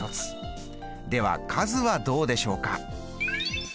では数はどうでしょうか。